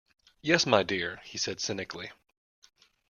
Yes my dear, he said cynically.